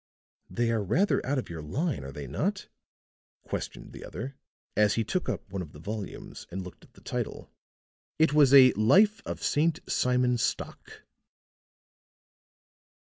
"They are rather out of your line, are they not?" questioned the other, as he took up one of the volumes and looked at the title. It was a "Life of St. Simon Stock."